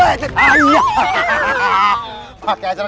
ada apa lagi sih